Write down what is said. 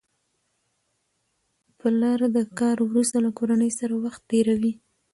پلر د کار وروسته له کورنۍ سره وخت تېروي